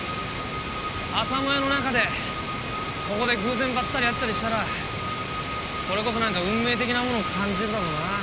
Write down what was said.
朝もやの中でここで偶然ばったり会ったりしたらこれこそなんか運命的なものを感じるだろうな。